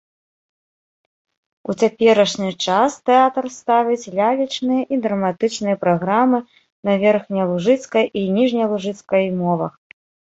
У цяперашні час тэатр ставіць лялечныя і драматычныя праграмы на верхнялужыцкай і ніжнялужыцкай мовах.